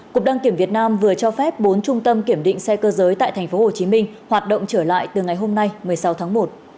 cục đăng kiểm việt nam vừa cho phép bốn trung tâm kiểm định xe cơ giới tại tp hcm hoạt động trở lại từ ngày hôm nay một mươi sáu tháng một